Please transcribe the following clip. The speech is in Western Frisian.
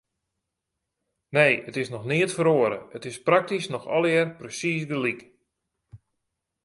Nee, it is neat feroare, it is praktysk noch allegear presiis gelyk.